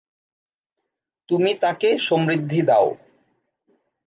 তুমি তাঁকে সমৃদ্ধি দাও।""